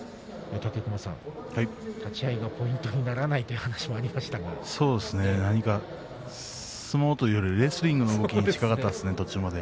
武隈さん立ち合いがポイントにならない相撲というよりレスリングの動きに近かったですね、途中まで。